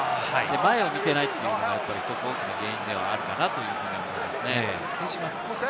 前を見ていないというのが大きな原因ではあるかなと思います。